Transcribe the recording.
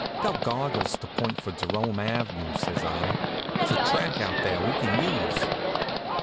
"Tell Goggles to point for Jerome ave.," says I. "There's a track out there we can use."